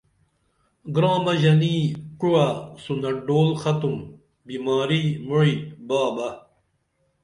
گرامہ ژنی کُعووہ سُنت ڈول ختُم بِماری مُعی با بہ